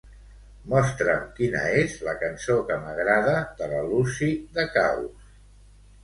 Mostra'm quina és la cançó que m'agrada de la Lucy Dacaus.